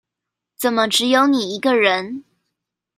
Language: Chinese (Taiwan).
怎麼只有你一個人